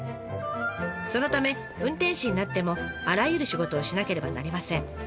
そのため運転士になってもあらゆる仕事をしなければなりません。